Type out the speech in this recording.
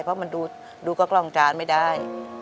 เพราะมันดูก็กล้องจานไม่ได้